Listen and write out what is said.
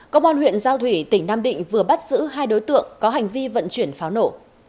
công an huyện giao thủy tỉnh nam định vừa bắt giữ hai đối tượng có hành vi vận chuyển pháo nổ